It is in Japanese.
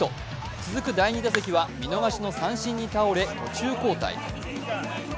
続く第２打席は見逃しの三振に倒れ途中交代。